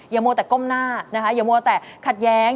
อย่ามัวแต่ก้มหน้าอย่ามัวแต่ขัดแย้ง